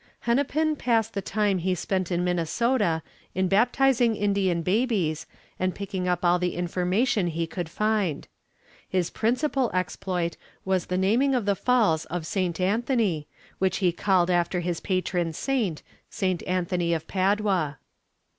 Hennepin passed the time he spent in Minnesota in baptizing Indian babies and picking up all the information he could find. His principal exploit was the naming of the Falls of St. Anthony, which he called after his patron saint, Saint Anthony of Padua.